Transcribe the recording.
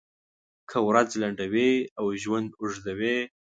کار ورځ لنډوي او ژوند اوږدوي.